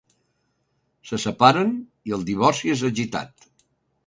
Se separen i el divorci és agitat.